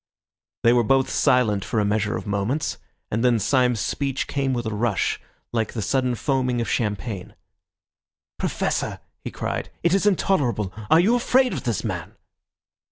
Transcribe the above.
They were both silent for a measure of moments, and then Syme's speech came with a rush, like the sudden foaming of champagne. "Professor," he cried, "it is intolerable. Are you afraid of this man?"